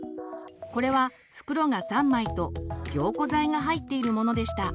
これは袋が３枚と凝固剤が入っているものでした。